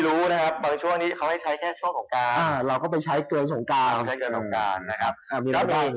พูดว่ามันเกินอาจจะงงนะพี่